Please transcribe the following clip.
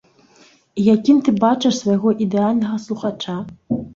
І якім ты бачыш свайго ідэальнага слухача?